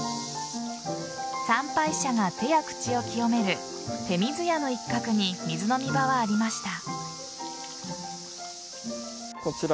参拝者が手や口を清める手水舎の一角に水飲み場はありました。